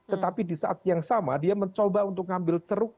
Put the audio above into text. tetapi di saat yang sama dia mencoba untuk ngambil ceruk